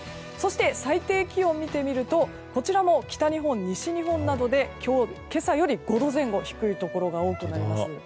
最高気温を見てみるとこちらも北日本、西日本などで今朝より５度前後低いところが多くなります。